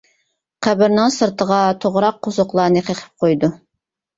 قەبرىنىڭ سىرتىغا توغراق قوزۇقلارنى قېقىپ قويىدۇ.